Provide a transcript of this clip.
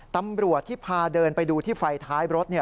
ตำรวจที่พาเดินไปดูที่ไฟท้ายรถ